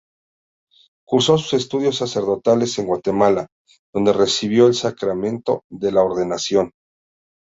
Cursó sus estudios sacerdotales en Guatemala, donde recibió el sacramento de la ordenación.